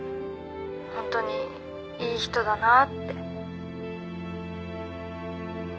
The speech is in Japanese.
ホントにいい人だなって。